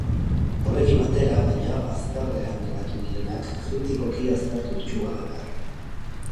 Horrekin batera, baina, bazterrean geratu direnak kritikoki aztertu ditu halaber.